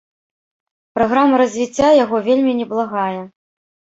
Праграма развіцця яго вельмі неблагая.